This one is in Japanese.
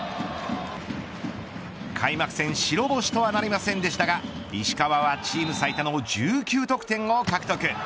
開幕戦白星とはなりませんでしたが石川はチーム最多の１９得点を獲得。